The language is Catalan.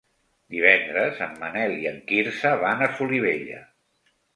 Divendres en Manel i en Quirze van a Solivella.